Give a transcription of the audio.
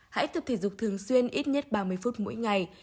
hãy tập thể dục thường xuyên ít nhất ba mươi phút mỗi ngày